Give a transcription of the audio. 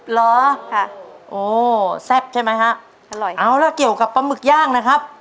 เหรอค่ะโอ้แซ่บใช่ไหมฮะอร่อยเอาล่ะเกี่ยวกับปลาหมึกย่างนะครับ